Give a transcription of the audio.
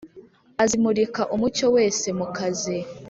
azimurika umucyo wese mukazi